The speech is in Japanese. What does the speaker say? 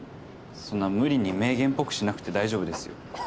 そんな無理に名言っぽくしなくて大丈夫ですよ。